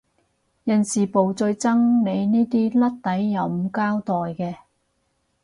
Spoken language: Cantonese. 人事部最憎你呢啲甩底又唔交代嘅